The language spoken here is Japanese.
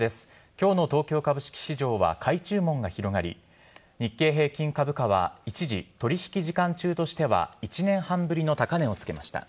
きょうの東京株式市場は、買い注文が広がり、日経平均株価は一時取り引き時間中としては１年半ぶりの高値をつけました。